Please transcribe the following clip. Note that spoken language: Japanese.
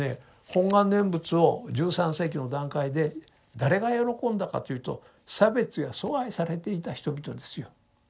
本願念仏を１３世紀の段階で誰が喜んだかというと差別や疎外されていた人々ですよ。